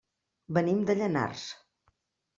Venim de Llanars.